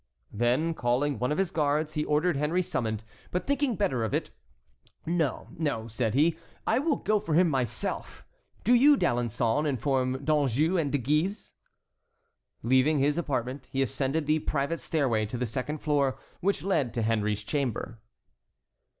Then, calling one of his guards, he ordered Henry summoned, but thinking better of it: "No, no," said he, "I will go for him myself. Do you, D'Alençon, inform D'Anjou and De Guise." Leaving his apartments, he ascended the private stairway to the second floor, which led to Henry's chamber.